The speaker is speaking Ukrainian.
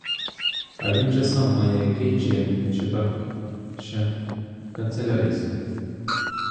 А він же сам має який чин чи так ще — канцелярист?